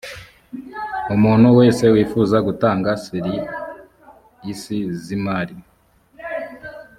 umuntu wese wifuza gutanga ser isi z imari